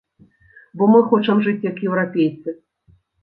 Бо мы хочам жыць як еўрапейцы.